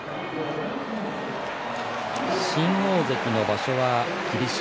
新大関の場所は霧島。